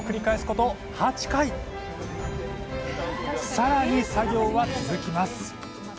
更に作業は続きます。